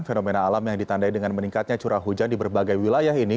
fenomena alam yang ditandai dengan meningkatnya curah hujan di berbagai wilayah ini